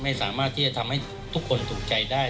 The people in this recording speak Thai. ไม่สามารถที่จะทำให้ทุกคนถูกใจได้